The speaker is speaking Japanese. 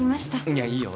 いやいいよ